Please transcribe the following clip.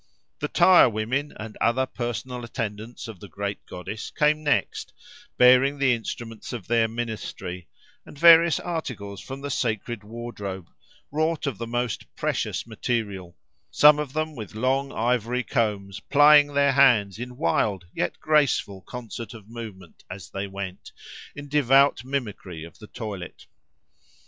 The tire women and other personal attendants of the great goddess came next, bearing the instruments of their ministry, and various articles from the sacred wardrobe, wrought of the most precious material; some of them with long ivory combs, plying their hands in wild yet graceful concert of movement as they went, in devout mimicry of the toilet.